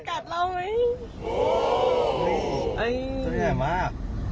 เฮ่ยตัวใหญ่มาก